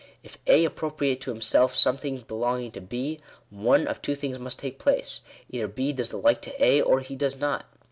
If A appropriate to himself something belonging to B, one of two things must take place : either B does the like to A, or he does not.